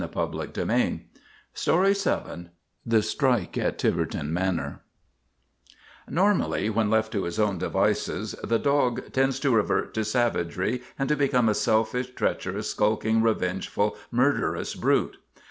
THE STRIKE AT TIVERTON MANOR THE STRIKE AT TIVERTON MANOR NORMALLY, when left to his own devices, the dog tends to revert to savagery and to be come a selfish, treacherous, skulking, revengeful, murderous brute.